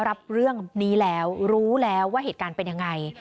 รับเรื่องนี้แล้วรู้แล้วว่าเหตุการณ์เป็นยังไง